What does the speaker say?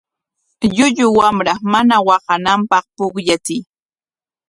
Llullu wamra mana waqananpaq pukllachiy.